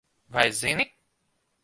Vai zini?